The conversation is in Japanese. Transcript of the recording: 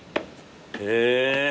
へえ。